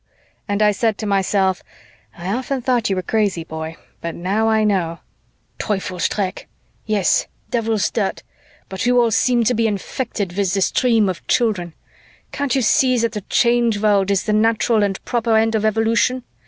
And I said to myself, "I often thought you were crazy, boy, but now I know." "Teufelsdreck! yes, Devil's dirt! but you all seem to be infected with this dream of children. Can't you see that the Change World is the natural and proper end of evolution?